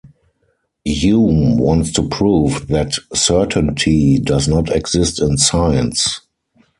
Hume wants to prove that certainty does not exist in science.